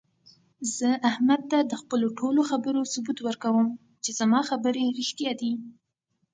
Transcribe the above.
زه احمد ته د خپلو ټولو خبرو ثبوت ورکوم، چې زما خبرې رښتیا دي.